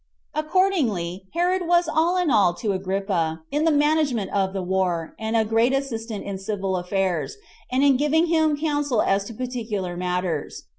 Accordingly, Herod was all in all to Agrippa, in the management of the war, and a great assistant in civil affairs, and in giving him counsel as to particular matters.